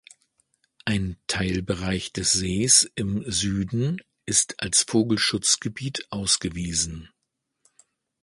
Ein Teilbereich des Sees im Süden ist als Vogelschutzgebiet ausgewiesen.